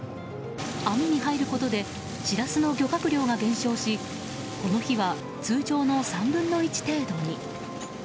網に入ることでシラスの漁獲量が減少しこの日は、通常の３分の１程度に。